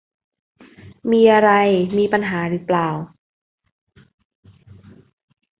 มีอะไรมีปัญหาหรือเปล่า